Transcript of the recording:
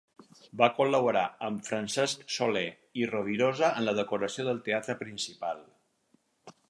Va col·laborar amb Francesc Soler i Rovirosa en la decoració del Teatre Principal.